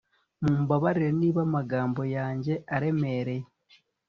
mumbabarire, niba amagambo yanjye aremereye